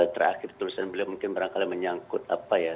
terakhir tulisan beliau mungkin barangkali menyangkut apa ya